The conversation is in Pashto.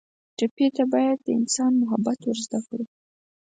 ټپي ته باید د انسان محبت ور زده کړو.